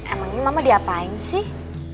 emang ini mama diapain sih